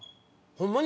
ホンマに？